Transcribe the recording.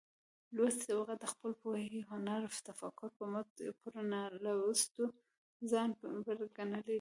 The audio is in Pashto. لوستې طبقه د خپلې پوهې، هنر ،تفکر په مټ پر نالوستې ځان بر ګنلى دى.